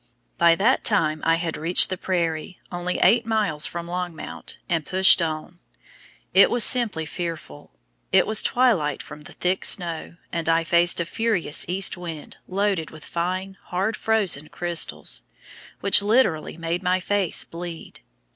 By that time I had reached the prairie, only eight miles from Longmount, and pushed on. It was simply fearful. It was twilight from the thick snow, and I faced a furious east wind loaded with fine, hard frozen crystals, which literally made my face bleed.